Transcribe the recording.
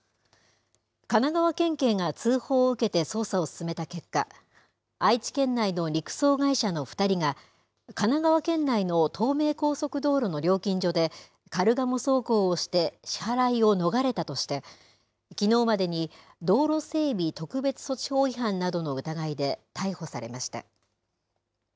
神奈川県警が通報を受けて捜査を進めた結果、愛知県内の陸送会社の２人が、神奈川県内の東名高速道路の料金所で、カルガモ走行をして支払いを逃れたとして、きのうまでに道路整備特別措置法違反などの疑いで逮捕されました。